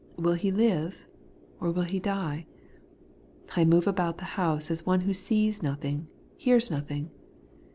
Will he live, or will he die ? I move about the house as one who sees nothing, hears nothing.